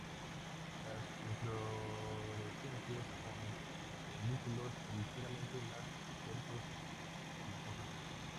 Las inflorescencias con pedúnculos ligeramente más cortos que las hojas.